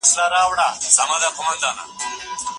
ايا ځمکه زموږ ساتنې ته اړتيا لري؟